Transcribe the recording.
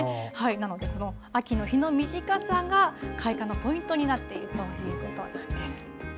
なので、この秋の日の短さが開花のポイントになっているということなんです。